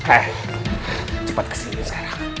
eh cepet kesini sekarang